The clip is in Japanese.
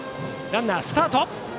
ランナー、スタート。